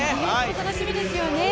楽しみですよね。